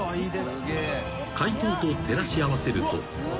［解答と照らし合わせると］